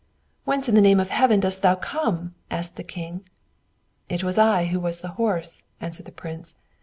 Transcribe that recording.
"Whence in the name of Heaven didst thou come?" asked the king. "It was I who was the horse," answered the prince.